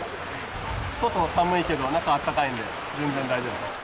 外寒いけど、中あったかいんで、全然大丈夫です。